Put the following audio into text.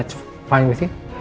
jika itu baik dengan anda